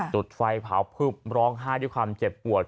จุดไฟเผาพึบร้องไห้ด้วยความเจ็บปวด